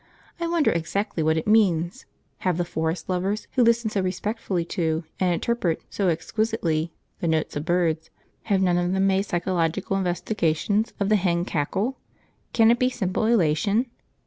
I wonder exactly what it means! Have the forest lovers who listen so respectfully to, and interpret so exquisitely, the notes of birds have none of them made psychological investigations of the hen cackle? Can it be simple elation?